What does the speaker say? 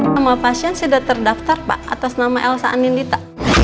nama pasien sudah terdaftar pak atas nama elsa aninlita